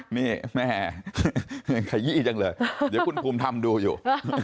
นี่แม่ยังขยี้จังเลยเดี๋ยวคุณภูมิทำดูอยู่